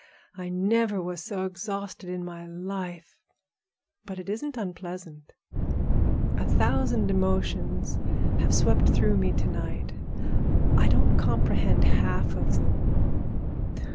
I never was so exhausted in my life. But it isn't unpleasant. A thousand emotions have swept through me to night. I don't comprehend half of them.